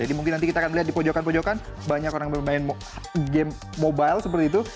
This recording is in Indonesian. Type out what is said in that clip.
jadi mungkin nanti kita akan melihat di pojokan pojokan banyak orang yang bermain game mobile seperti itu